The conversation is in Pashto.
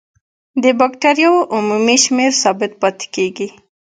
د بکټریاوو عمومي شمېر ثابت پاتې کیږي.